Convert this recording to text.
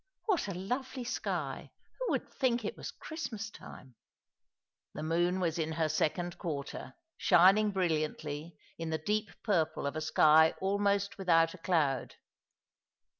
"What a lovely sky ! Who would think it was Christmas time ?" The moon was in her second quarter, shining brilliantly, in the deep purple of a sky almost without a cloud.